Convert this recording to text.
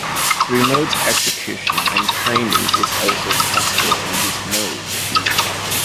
Remote execution and training is also possible in this mode.